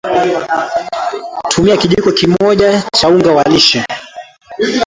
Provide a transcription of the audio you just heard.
tumia kijiko cha unga wa lishe